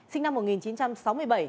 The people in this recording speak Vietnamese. sinh năm một nghìn chín trăm sáu mươi bảy